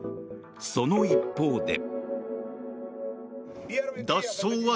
その一方で。